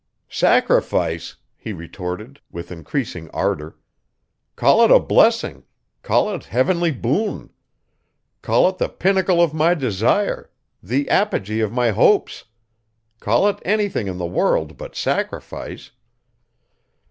"Sacrifice!" he retorted, with increasing ardor. "Call it blessing; call it heavenly boon; call it the pinnacle of my desire, the apogee of my hopes call it anything in the world but sacrifice."